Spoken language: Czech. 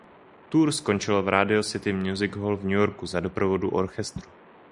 Tour skončilo v Radio City Music Hall v New Yorku za doprovodu orchestru.